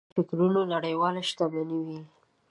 دغه راز هنرونه او فکرونه نړیواله شتمني وي.